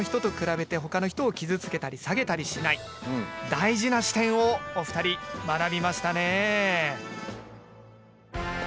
大事な視点をお二人学びましたね。